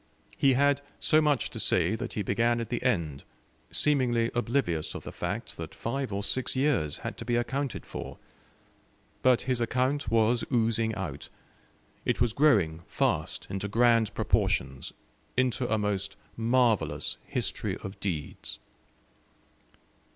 He had so much to say that he began at the end, seemingly oblivious of the fact that five or six years had to be accounted for. But his account was oozing out; it was growing fast into grand proportions into a most marvellous history of deeds.